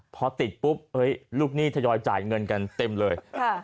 พอติดปุ๊บลูกหนี้ทยอยจ่ายเงินกันเต็มเลย